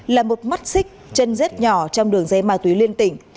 là một mắt xích chân dết nhỏ trong đường dây ma túy liên tỉnh